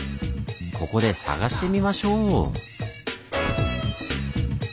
ここで探してみましょう！